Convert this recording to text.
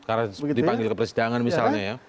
karena dipanggil ke persidangan misalnya